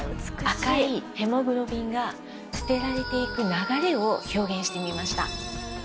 赤いヘモグロビンが捨てられていく流れを表現してみました。